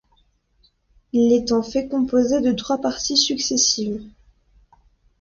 Il est en fait composé de trois parties successives.